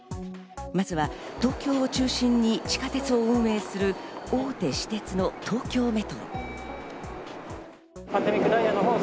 まずは東京を中心に地下鉄を運営する大手私鉄の東京メトロ。